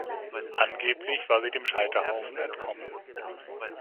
Angeblich war sie dem Scheiterhaufen entkommen.